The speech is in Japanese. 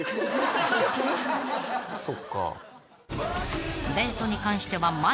そっか。